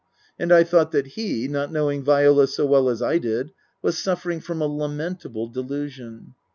And I thought that he (not knowing Viola so well as I did) was suffering from a lamentable delusion.